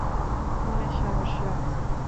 মনে সাহস রাখ।